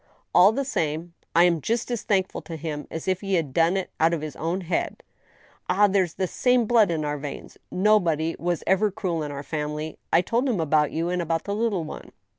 All the same, ... I am just as thankful to him as if he had done it out of his own head. ... Ah ! there's the same blood in our veins ; nobody was ever cruel in our family. ... I told him about you, and about the little one.